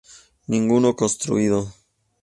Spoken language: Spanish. Ninguno construido.